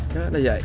đó là vậy